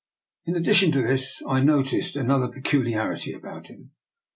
In addition to this, I no ticed another peculiarity about him.